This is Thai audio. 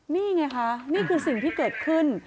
นี่ไงคะนี่คือสิ่งที่เกิดขึ้น